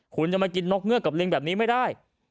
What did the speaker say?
คุณจะมากินนกเงือกกับลิงแบบนี้ไม่ได้